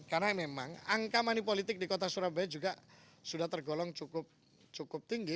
karena memang angka mani politik di kota surabaya juga sudah tergolong cukup tinggi